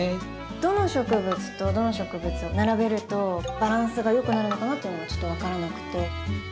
どの植物とどの植物を並べるとバランスがよくなるのかなっていうのがちょっと分からなくて。